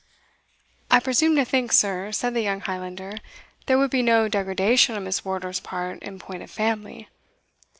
"I presume to think, sir," said the young Highlander, "there would be no degradation on Miss Wardour's part in point of family."